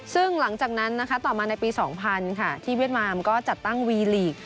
ซึ่งหลังจากนั้นนะคะต่อมาในปี๒๐๐ค่ะที่เวียดนามก็จัดตั้งวีลีก